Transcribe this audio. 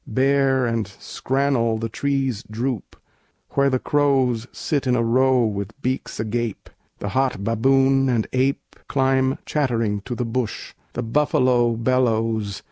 Bare and scrannel The trees droop, where the crows sit in a row With beaks agape. The hot baboon and ape Climb chattering to the bush. The buffalo Bellows.